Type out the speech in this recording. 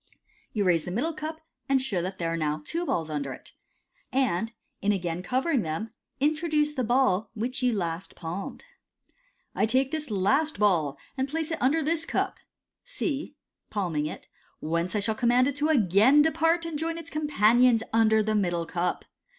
You raise the middle cup, and show that there are now two balls under it, and, in again covering them, introduce the ball which you last palmed. " I take this last ball, and place it under this cup "(C) — palming it — u whence I shall command it to again depart, and join its companions under the middle cup.